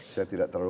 saya tidak terlalu